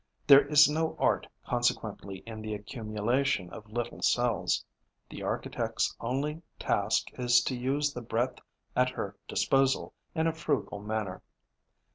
There is no art, consequently, in the accumulation of little cells; the architect's only task is to use the breadth at her disposal in a frugal manner.